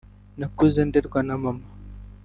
nakuze nderwa na mama